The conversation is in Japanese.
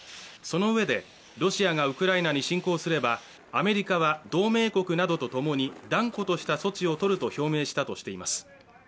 そのうえで、ロシアがウクライナに侵攻すれば、アメリカは同盟国などとともに断固とした措置を取ると表明したといいます。